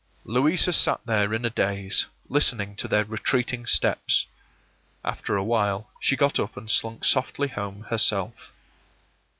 ” Louisa sat there in a daze, listening to their retreating steps. After a while she got up and slunk softly home herself.